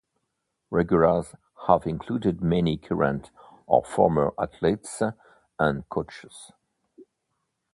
Regulars have included many current or former athletes and coaches.